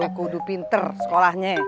lu kudu pinter sekolahnya